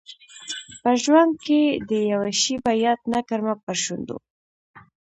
په ژوند کي دي یوه شېبه یاد نه کړمه پر شونډو